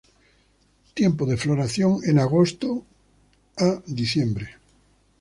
Tiempo de floración en agosto a diciembre.